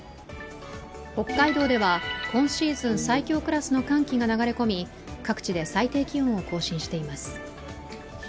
北海道では今シーズン最強クラスの寒気が流れ込み、各地で最低気温を更新しています。